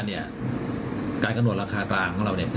ไปกระโนดราคากลางของเรา